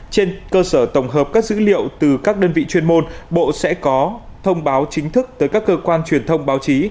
trên cơ sở tổng hợp các dữ liệu từ các đơn vị chuyên môn bộ sẽ có thông báo chính thức tới các cơ quan truyền thông báo chí